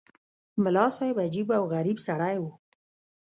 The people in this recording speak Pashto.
ملا صاحب عجیب او غریب سړی وو.